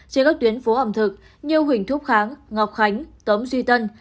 trên các tuyến phố ẩm thực nhiều hình thúc kháng ngọc khánh tấm duy tân